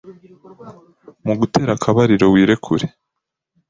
mu gutera akabariro wirekure’